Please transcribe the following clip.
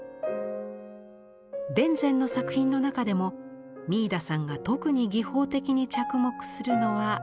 田善の作品の中でも三井田さんが特に技法的に着目するのはこの絵です。